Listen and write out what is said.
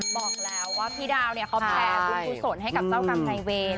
บอกแล้วว่าพี่ดาวเนี่ยเขาแผ่บุญกุศลให้กับเจ้ากรรมนายเวร